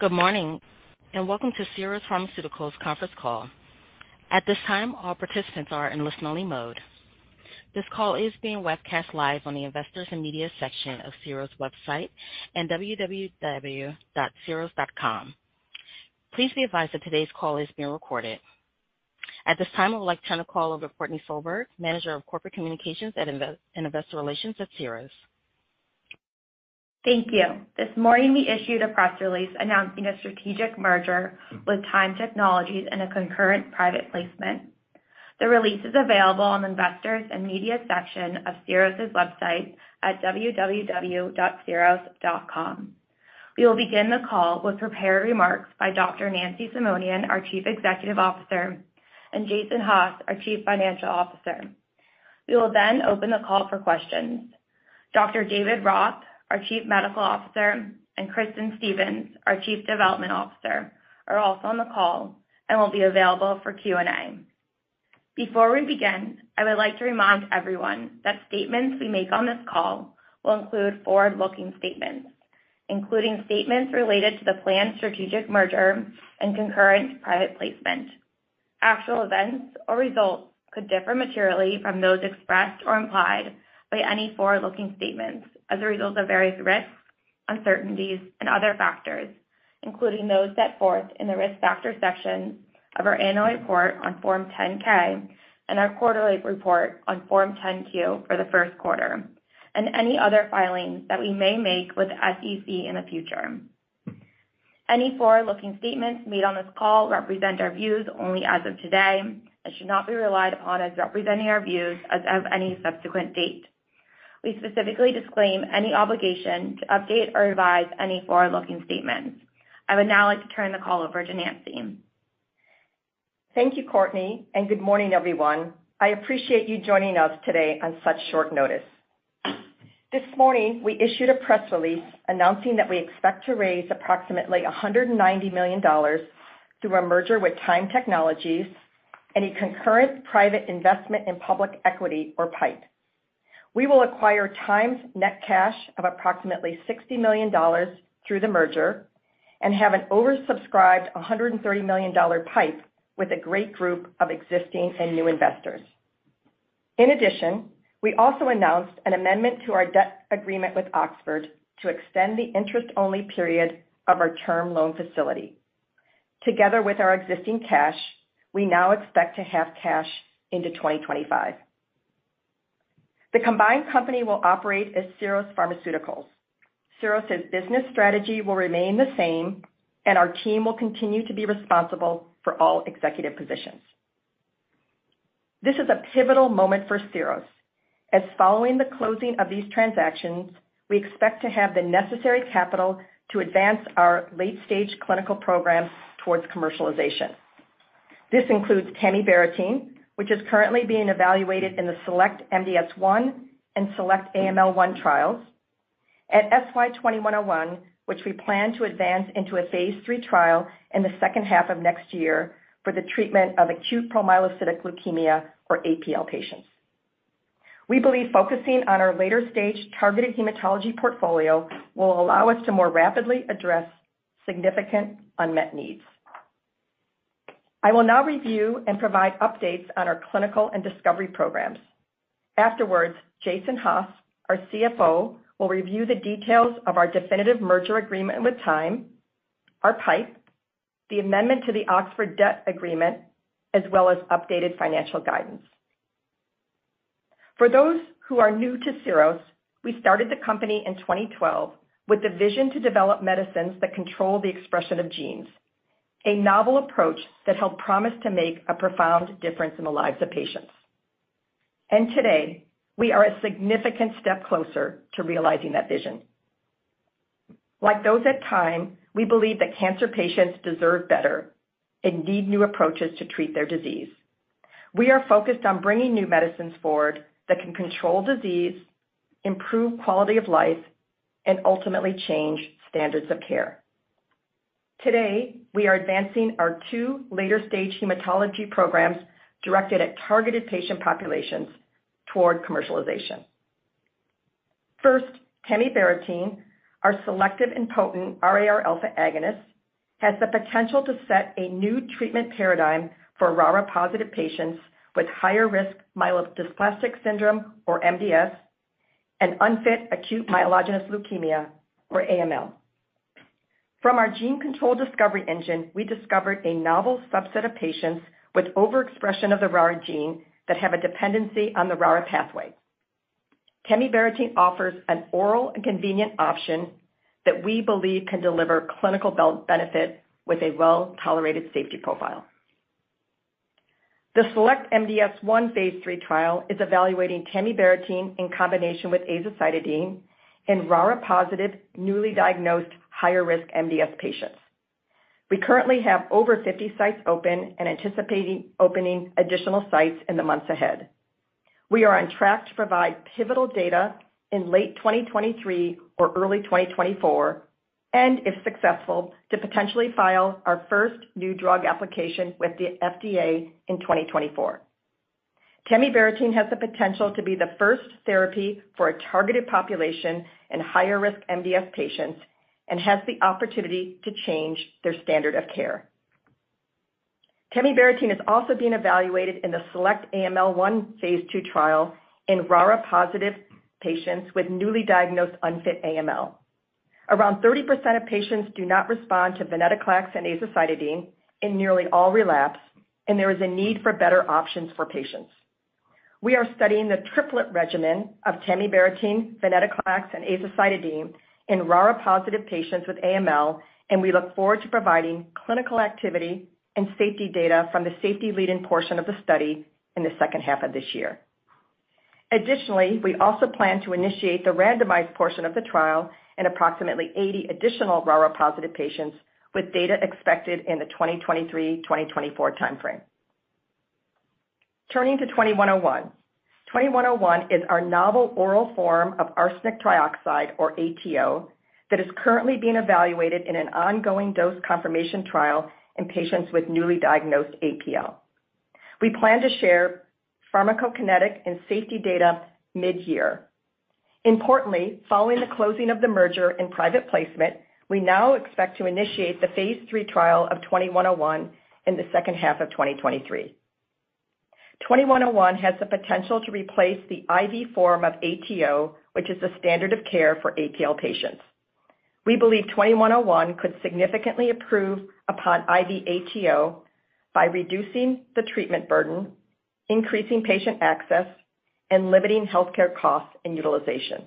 Good morning, and welcome to Syros Pharmaceuticals conference call. At this time, all participants are in listen-only mode. This call is being webcast live on the Investors and Media section of Syros' website at www.syros.com. Please be advised that today's call is being recorded. At this time, I would like to turn the call over to Courtney Solberg, Manager of Corporate Communications and Investor Relations at Syros. Thank you. This morning, we issued a press release announcing a strategic merger with Tyme Technologies and a concurrent private placement. The release is available on the Investors and Media section of Syros' website at www.syros.com. We will begin the call with prepared remarks by Dr. Nancy Simonian, our Chief Executive Officer, and Jason Haas, our Chief Financial Officer. We will then open the call for questions. Dr. David Roth, our Chief Medical Officer, and Kristin Stephens, our Chief Development Officer, are also on the call and will be available for Q&A. Before we begin, I would like to remind everyone that statements we make on this call will include forward-looking statements, including statements related to the planned strategic merger and concurrent private placement. Actual events or results could differ materially from those expressed or implied by any forward-looking statements as a result of various risks, uncertainties, and other factors, including those set forth in the Risk Factors section of our annual report on Form 10-K and our quarterly report on Form 10-Q for the first quarter, and any other filings that we may make with the SEC in the future. Any forward-looking statements made on this call represent our views only as of today and should not be relied upon as representing our views as of any subsequent date. We specifically disclaim any obligation to update or revise any forward-looking statements. I would now like to turn the call over to Nancy. Thank you, Courtney, and good morning, everyone. I appreciate you joining us today on such short notice. This morning, we issued a press release announcing that we expect to raise approximately $190 million through a merger with Tyme Technologies and a concurrent private investment in public equity, or PIPE. We will acquire Tyme's net cash of approximately $60 million through the merger and have an oversubscribed $130 million-dollar PIPE with a great group of existing and new investors. In addition, we also announced an amendment to our debt agreement with Oxford to extend the interest-only period of our term loan facility. Together with our existing cash, we now expect to have cash into 2025. The combined company will operate as Syros Pharmaceuticals. Syros' business strategy will remain the same, and our team will continue to be responsible for all executive positions. This is a pivotal moment for Syros, as following the closing of these transactions, we expect to have the necessary capital to advance our late-stage clinical programs towards commercialization. This includes tamibarotene, which is currently being evaluated in the SELECT-MDS-1 and SELECT-AML-1 trials, and SY-2101, which we plan to advance into a phase III trial in the second half of next year for the treatment of acute promyelocytic leukemia, or APL, patients. We believe focusing on our later-stage targeted hematology portfolio will allow us to more rapidly address significant unmet needs. I will now review and provide updates on our clinical and discovery programs. Afterwards, Jason Haas, our CFO, will review the details of our definitive merger agreement with Tyme, our PIPE, the amendment to the Oxford Finance debt agreement, as well as updated financial guidance. For those who are new to Syros, we started the company in 2012 with the vision to develop medicines that control the expression of genes, a novel approach that held promise to make a profound difference in the lives of patients. Today, we are a significant step closer to realizing that vision. Like those at Tyme, we believe that cancer patients deserve better and need new approaches to treat their disease. We are focused on bringing new medicines forward that can control disease, improve quality of life, and ultimately change standards of care. Today, we are advancing our two later-stage hematology programs directed at targeted patient populations toward commercialization. First, tamibarotene, our selective and potent RARα agonist, has the potential to set a new treatment paradigm for RARA-positive patients with higher risk myelodysplastic syndrome, or MDS, and unfit acute myelogenous leukemia, or AML. From our gene control discovery engine, we discovered a novel subset of patients with overexpression of the RARA gene that have a dependency on the RARA pathway. Tamibarotene offers an oral and convenient option that we believe can deliver clinical benefit with a well-tolerated safety profile. The SELECT-MDS-1 phase III trial is evaluating tamibarotene in combination with azacitidine in RARA-positive, newly diagnosed higher-risk MDS patients. We currently have over 50 sites open and anticipating opening additional sites in the months ahead. We are on track to provide pivotal data in late 2023 or early 2024, and if successful, to potentially file our first new drug application with the FDA in 2024. Tamibarotene has the potential to be the first therapy for a targeted population in higher risk MDS patients and has the opportunity to change their standard of care. Tamibarotene is also being evaluated in the SELECT-AML-1 phase II trial in RARA-positive patients with newly diagnosed unfit AML. Around 30% of patients do not respond to venetoclax and azacitidine and nearly all relapse, and there is a need for better options for patients. We are studying the triplet regimen of tamibarotene, venetoclax and azacitidine in RARA positive patients with AML, and we look forward to providing clinical activity and safety data from the safety lead-in portion of the study in the second half of this year. Additionally, we also plan to initiate the randomized portion of the trial in approximately 80 additional RARA positive patients with data expected in the 2023/2024 time frame. Turning to SY-2101. SY-2101 is our novel oral form of arsenic trioxide, or ATO, that is currently being evaluated in an ongoing dose confirmation trial in patients with newly diagnosed APL. We plan to share pharmacokinetic and safety data mid-year. Importantly, following the closing of the merger in private placement, we now expect to initiate the phase III trial of SY-2101 in the second half of 2023. SY-2101 has the potential to replace the IV form of ATO, which is the standard of care for APL patients. We believe SY-2101 could significantly improve upon IV ATO by reducing the treatment burden, increasing patient access and limiting healthcare costs and utilization.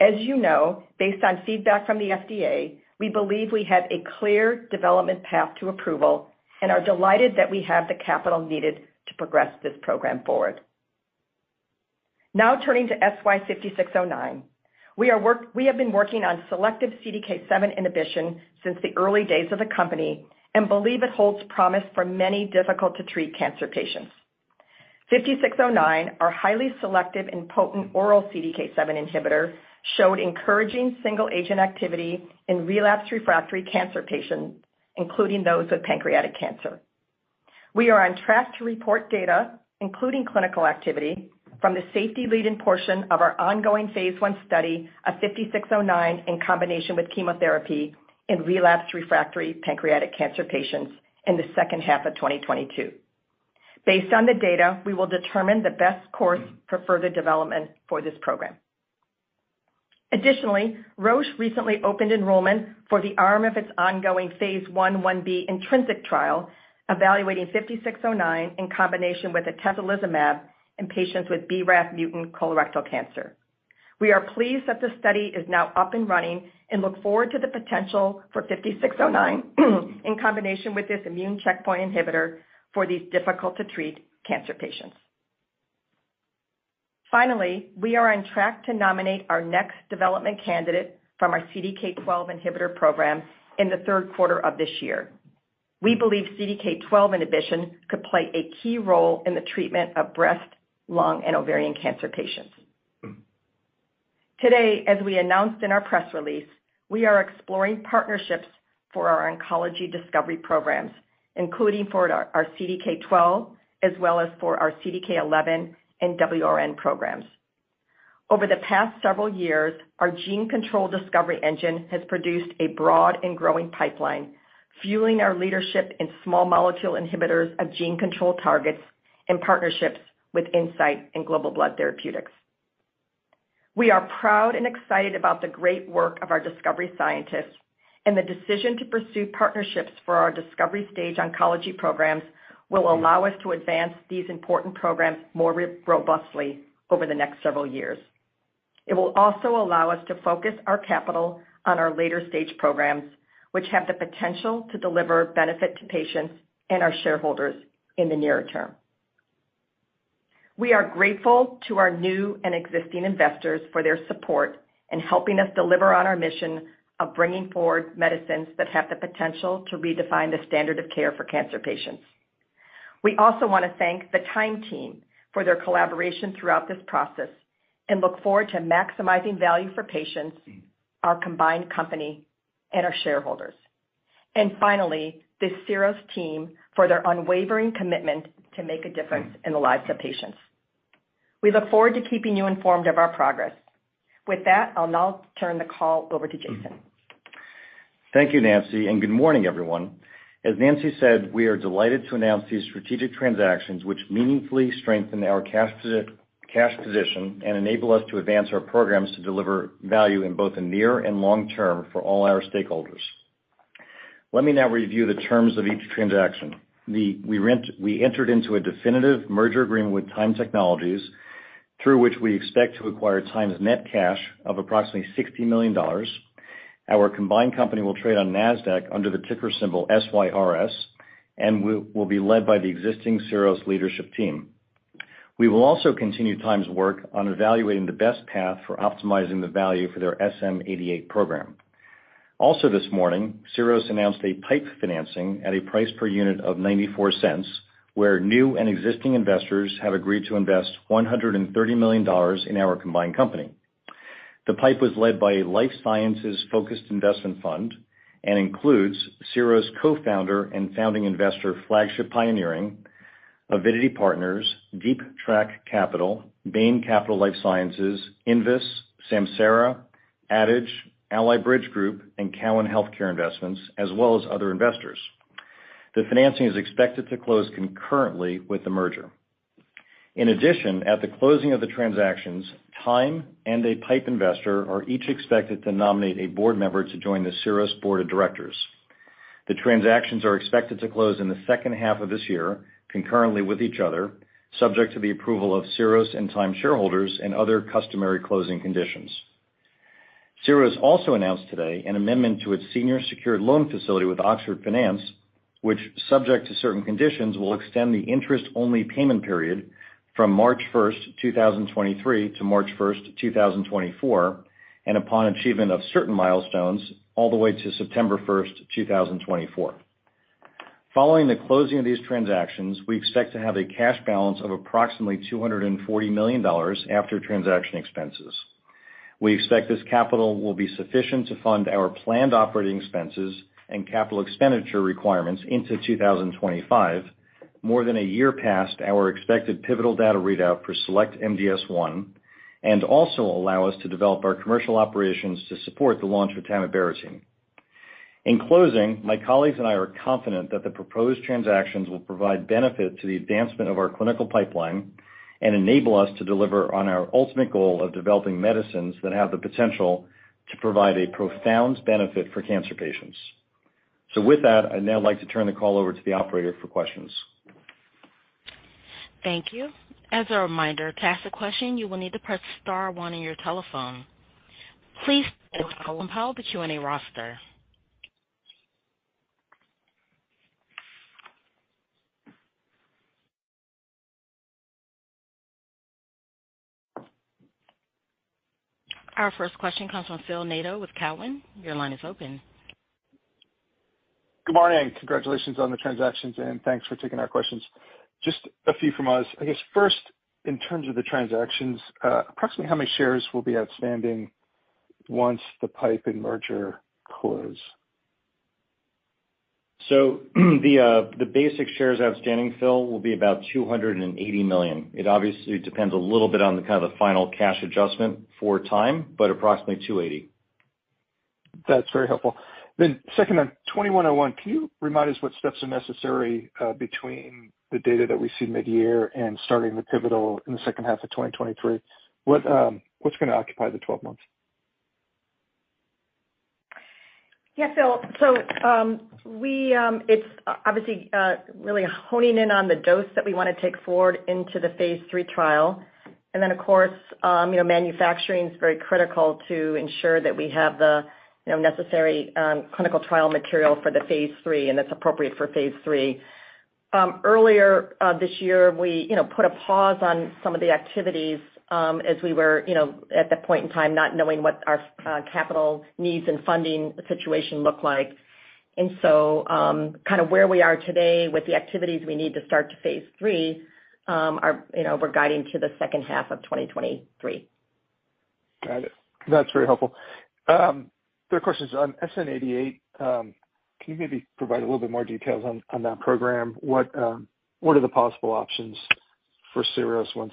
As you know, based on feedback from the FDA, we believe we have a clear development path to approval and are delighted that we have the capital needed to progress this program forward. Now turning to SY-5609. We have been working on selective CDK7 inhibition since the early days of the company and believe it holds promise for many difficult to treat cancer patients. SY-5609, our highly selective and potent oral CDK7 inhibitor, showed encouraging single agent activity in relapsed refractory cancer patients, including those with pancreatic cancer. We are on track to report data, including clinical activity from the safety lead-in portion of our ongoing phase I study of SY-5609 in combination with chemotherapy in relapsed refractory pancreatic cancer patients in the second half of 2022. Based on the data, we will determine the best course for further development for this program. Additionally, Roche recently opened enrollment for the arm of its ongoing phase I/Ib INTRINSIC trial evaluating SY-5609 in combination with atezolizumab in patients with BRAF mutant colorectal cancer. We are pleased that the study is now up and running and look forward to the potential for SY-5609 in combination with this immune checkpoint inhibitor for these difficult to treat cancer patients. Finally, we are on track to nominate our next development candidate from our CDK12 inhibitor program in the third quarter of this year. We believe CDK12 inhibition could play a key role in the treatment of breast, lung and ovarian cancer patients. Today, as we announced in our press release, we are exploring partnerships for our oncology discovery programs, including for our CDK12 as well as for our CDK11 and WRN programs. Over the past several years, our gene control discovery engine has produced a broad and growing pipeline, fueling our leadership in small molecule inhibitors of gene control targets and partnerships with Incyte and Global Blood Therapeutics. We are proud and excited about the great work of our discovery scientists and the decision to pursue partnerships for our discovery stage oncology programs will allow us to advance these important programs more robustly over the next several years. It will also allow us to focus our capital on our later stage programs, which have the potential to deliver benefit to patients and our shareholders in the nearer term. We are grateful to our new and existing investors for their support in helping us deliver on our mission of bringing forward medicines that have the potential to redefine the standard of care for cancer patients. We also wanna thank the Tyme team for their collaboration throughout this process and look forward to maximizing value for patients, our combined company and our shareholders. Finally, the Syros team for their unwavering commitment to make a difference in the lives of patients. We look forward to keeping you informed of our progress. With that, I'll now turn the call over to Jason. Thank you, Nancy, and good morning, everyone. As Nancy said, we are delighted to announce these strategic transactions, which meaningfully strengthen our cash position and enable us to advance our programs to deliver value in both the near and long term for all our stakeholders. Let me now review the terms of each transaction. We entered into a definitive merger agreement with Tyme Technologies, through which we expect to acquire Tyme's net cash of approximately $60 million. Our combined company will trade on Nasdaq under the ticker symbol SYRS, and will be led by the existing Syros leadership team. We will also continue Tyme's work on evaluating the best path for optimizing the value for their SM-88 program. This morning, Syros announced a PIPE financing at a price per unit of $0.94, where new and existing investors have agreed to invest $130 million in our combined company. The PIPE was led by a life sciences-focused investment fund and includes Syros co-founder and founding investor, Flagship Pioneering, Avidity Partners, Deep Track Capital, Bain Capital Life Sciences, Invus, Samsara, Adage, Ally Bridge Group, and Cowen Healthcare Investments, as well as other investors. The financing is expected to close concurrently with the merger. In addition, at the closing of the transactions, Tyme and a PIPE investor are each expected to nominate a board member to join the Syros board of directors. The transactions are expected to close in the second half of this year, concurrently with each other, subject to the approval of Syros and Tyme shareholders and other customary closing conditions. Syros also announced today an amendment to its senior secured loan facility with Oxford Finance, which, subject to certain conditions, will extend the interest-only payment period from March 1, 2023 to March 1, 2024, and upon achievement of certain milestones, all the way to September 1, 2024. Following the closing of these transactions, we expect to have a cash balance of approximately $240 million after transaction expenses. We expect this capital will be sufficient to fund our planned operating expenses and capital expenditure requirements into 2025, more than a year past our expected pivotal data readout for SELECT-MDS-1, and also allow us to develop our commercial operations to support the launch of tamibarotene. In closing, my colleagues and I are confident that the proposed transactions will provide benefit to the advancement of our clinical pipeline and enable us to deliver on our ultimate goal of developing medicines that have the potential to provide a profound benefit for cancer patients. With that, I'd now like to turn the call over to the operator for questions. Thank you. As a reminder, to ask a question, you will need to press star one on your telephone. Please stand by while we compile the Q&A roster. Our first question comes from Phil Nadeau with Cowen. Your line is open. Good morning. Congratulations on the transactions, and thanks for taking our questions. Just a few from us. I guess, first, in terms of the transactions, approximately how many shares will be outstanding once the PIPE and merger close? The basic shares outstanding, Phil, will be about 280 million. It obviously depends a little bit on the kind of the final cash adjustment for Tyme, but approximately 280. That's very helpful. Second, on SY-2101, can you remind us what steps are necessary between the data that we see mid-year and starting the pivotal in the second half of 2023? What, what's gonna occupy the twelve months? Yeah, Phil. It's obviously really honing in on the dose that we wanna take forward into the phase III trial. Then, of course, you know, manufacturing is very critical to ensure that we have the, you know, necessary clinical trial material for the phase III, and it's appropriate for phase III. Earlier this year, we, you know, put a pause on some of the activities as we were, you know, at that point in time, not knowing what our capital needs and funding situation looked like. Kinda where we are today with the activities we need to start the phase III, you know, we're guiding to the second half of 2023. Got it. That's very helpful. Third question is on SM-88. Can you maybe provide a little bit more details on that program? What are the possible options for Syros once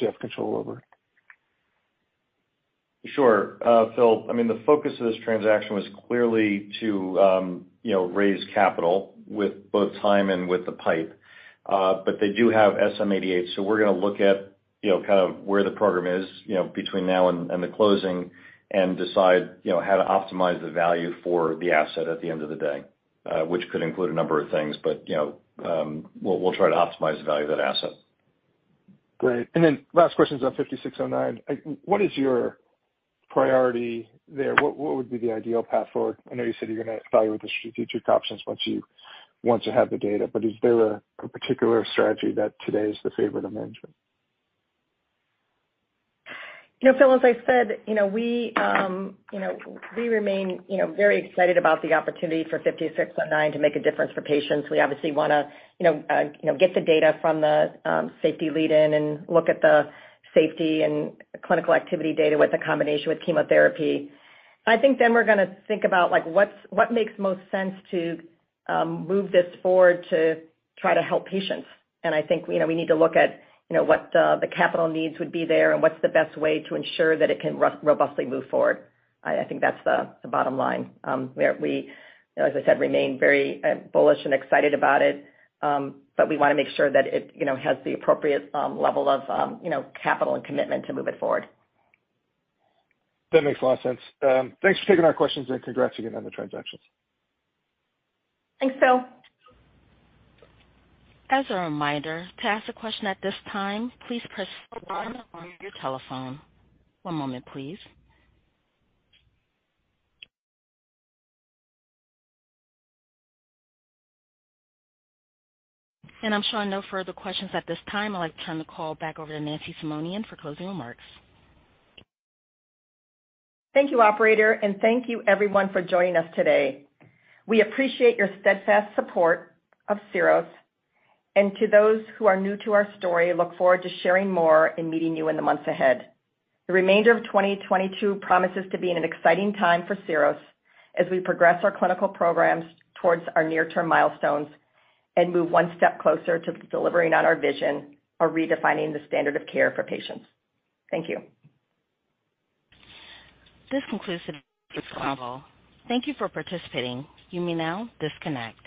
you have control over it? Sure. Phil, I mean, the focus of this transaction was clearly to raise capital with both Tyme and with the PIPE. They do have SM-88, so we're gonna look at kind of where the program is between now and the closing and decide how to optimize the value for the asset at the end of the day, which could include a number of things. We'll try to optimize the value of that asset. Great. Last question is on 5609. What is your priority there? What would be the ideal path forward? I know you said you're gonna evaluate the strategic options once you have the data, but is there a particular strategy that today is the favorite of management? You know, Phil, as I said, we remain very excited about the opportunity for SY-5609 to make a difference for patients. We obviously wanna get the data from the safety lead in and look at the safety and clinical activity data with the combination with chemotherapy. I think then we're gonna think about, like, what makes most sense to move this forward to try to help patients. I think we need to look at what the capital needs would be there and what's the best way to ensure that it can robustly move forward. I think that's the bottom line. We, you know, as I said, remain very bullish and excited about it. We wanna make sure that it, you know, has the appropriate level of, you know, capital and commitment to move it forward. That makes a lot of sense. Thanks for taking our questions, and congrats again on the transactions. Thanks, Phil. As a reminder, to ask a question at this time, please press star one on your telephone. One moment, please. I'm showing no further questions at this time. I'd like to turn the call back over to Nancy Simonian for closing remarks. Thank you, operator, and thank you everyone for joining us today. We appreciate your steadfast support of Syros. To those who are new to our story, look forward to sharing more and meeting you in the months ahead. The remainder of 2022 promises to be an exciting time for Syros as we progress our clinical programs towards our near-term milestones and move one step closer to delivering on our vision of redefining the standard of care for patients. Thank you. This concludes today's call. Thank you for participating. You may now disconnect.